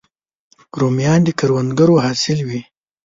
رومیان د کروندګرو حاصل وي